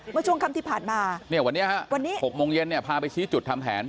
เมื่อช่วงค่ำที่ผ่านมาเนี่ยวันนี้ฮะวันนี้๖โมงเย็นเนี่ยพาไปชี้จุดทำแผน